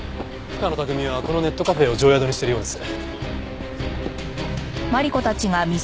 深野拓実はこのネットカフェを定宿にしてるようです。